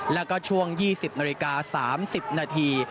แล้วก็ช่วง๒๐นาฬิกา๓๐นาที